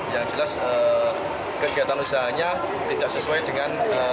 yang jelas kegiatan usahanya tidak sesuai dengan